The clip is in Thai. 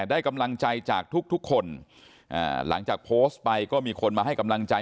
ได้กำลังใจจากทุกทุกคนอ่าหลังจากโพสต์ไปก็มีคนมาให้กำลังใจ